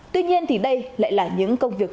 tuy nhiên thì đây lại là những công việc